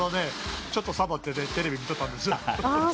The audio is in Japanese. ちょっとサボってテレビ見とったんです。